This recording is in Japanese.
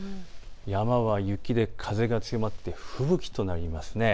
山は雪で風が強まって吹雪となります。